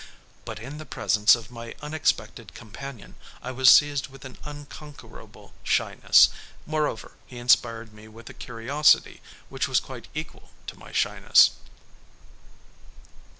But in the presence of my unexpected companion I was seized with an unconquerable shyness, moreover he inspired me with a curiosity which was quite equal to my shyness.